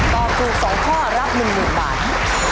ตอบถูก๒ข้อรับ๑๐๐๐บาท